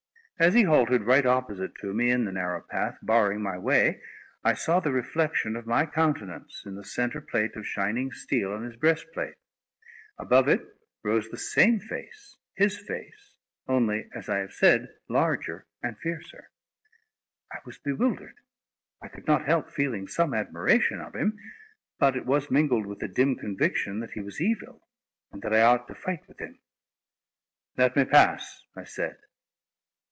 As he halted right opposite to me in the narrow path, barring my way, I saw the reflection of my countenance in the centre plate of shining steel on his breastplate. Above it rose the same face—his face—only, as I have said, larger and fiercer. I was bewildered. I could not help feeling some admiration of him, but it was mingled with a dim conviction that he was evil, and that I ought to fight with him. "Let me pass," I said.